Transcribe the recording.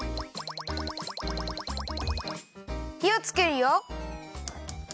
ひをつけるよ。